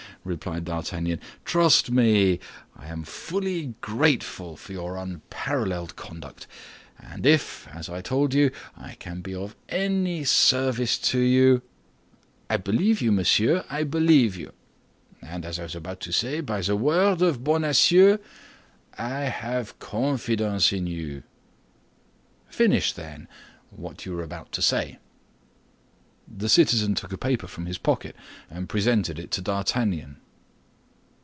replied D'Artagnan; "trust me, I am fully grateful for such unparalleled conduct, and if, as I told you, I can be of any service to you—" "I believe you, monsieur, I believe you; and as I was about to say, by the word of Bonacieux, I have confidence in you." "Finish, then, what you were about to say." The citizen took a paper from his pocket, and presented it to D'Artagnan.